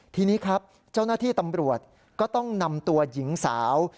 ทีนี้ครับเจ้าหน้าที่ตำรวจก็ต้องนำตัวหญิงสาว